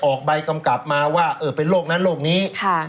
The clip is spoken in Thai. ออกใบกำกับมาว่าเออเป็นโรคนั้นโรคนี้